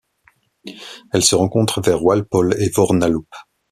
Elle se rencontre vers Walpole et Wornalup.